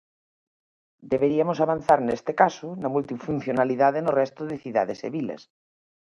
Deberíamos avanzar neste caso na multifuncionalidade no resto das cidades e vilas.